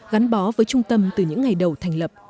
gắn bó với trung tâm từ những ngày đầu thành lập